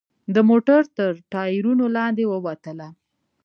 د موټر تر ټایرونو لاندې ووتله.